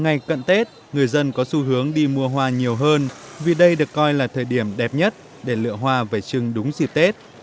ngày cận tết người dân có xu hướng đi mua hoa nhiều hơn vì đây được coi là thời điểm đẹp nhất để lựa hoa về chừng đúng dịp tết